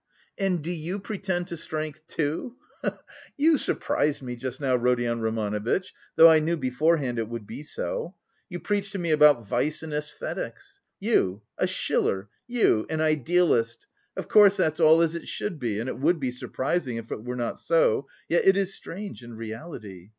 "And do you pretend to strength, too? He he he! You surprised me just now, Rodion Romanovitch, though I knew beforehand it would be so. You preach to me about vice and æsthetics! You a Schiller, you an idealist! Of course that's all as it should be and it would be surprising if it were not so, yet it is strange in reality....